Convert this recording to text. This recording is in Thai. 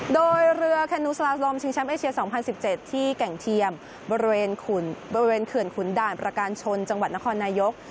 โดยเรือแคนูซาลาสลอมชิงแชมป์เอเชีย๒๐๑๗ที่แก่งเทียมบริเวณเขื่อนขุนด่านประการชนจังหวัดนครนายก